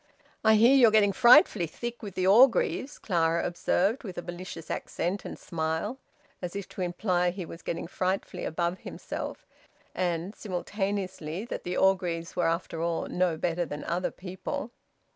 "I hear you're getting frightfully thick with the Orgreaves," Clara observed, with a malicious accent and smile, as if to imply that he was getting frightfully above himself, and simultaneously that the Orgreaves were after all no better than other people.